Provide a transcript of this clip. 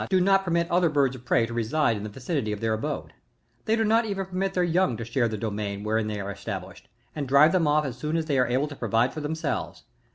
do not permit other birds of prey to reside in the vicinity of their abode ; they do not even permit their young to share the domain wherein they are established, and drive them off as soon as they jire able to provide for themselves.